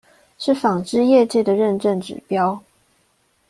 是紡織業界的認證指標